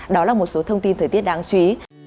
đó là một số thông tin thời tiết đáng chú ý